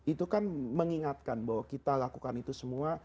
itu kan mengingatkan bahwa kita lakukan itu semua